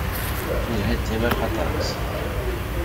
Yelha dima lxaṭer-is.